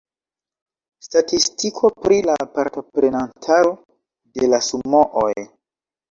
Statistiko pri la partoprentaro de la sumooj